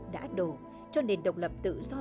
đã đổ cho nền độc lập tự do